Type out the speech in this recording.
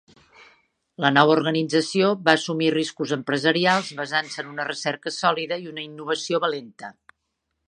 La nova organització va assumir riscos empresarials basant-se en una recerca sòlida i una innovació valenta.